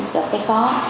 gặp cái khó